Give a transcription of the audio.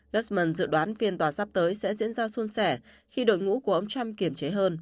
luxment dự đoán phiên tòa sắp tới sẽ diễn ra xuân sẻ khi đội ngũ của ông trump kiềm chế hơn